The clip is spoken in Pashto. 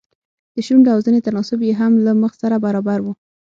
د شونډو او زنې تناسب يې هم له مخ سره برابر و.